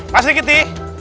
pak sri kiti